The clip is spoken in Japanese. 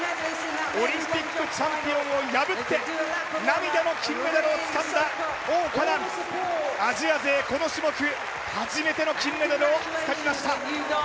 オリンピックチャンピオンを破って涙の金メダルをつかんだ王嘉男、アジア勢、この種目初めての金メダルをつかみました。